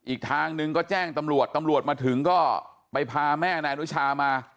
อีกทางหนึ่งก็แจ้งตำรวจตำรวจมาถึงก็ไปพาแม่นายอนุชามา